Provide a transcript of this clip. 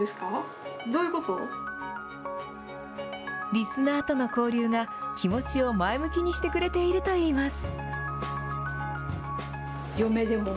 リスナーとの交流が、気持ちを前向きにしてくれてるといいます。